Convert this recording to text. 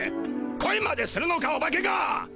こいまでするのかオバケが！